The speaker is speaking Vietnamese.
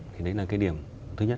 thì đấy là cái điểm thứ nhất